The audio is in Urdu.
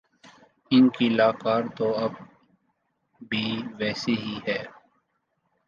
ان کی للکار تو اب بھی ویسے ہی ہے۔